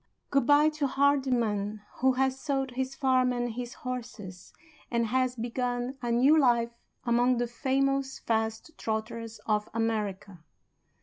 Good by to Hardyman who has sold his farm and his horses, and has begun a new life among the famous fast trotters of America.